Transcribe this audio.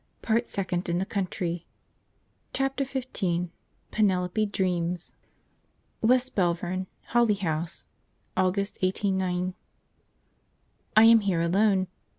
Part Second In the country. Chapter XV. Penelope dreams. West Belvern, Holly House August 189 . I am here alone.